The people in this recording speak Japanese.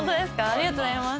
ありがとうございます。